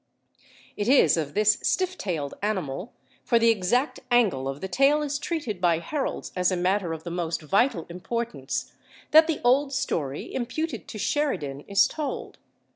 It is of this stiff tailed animal, for the exact angle of the tail is treated by heralds as a matter of the most vital importance, that the old story imputed to Sheridan is told.